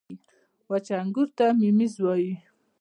• وچ انګور ته مميز وايي.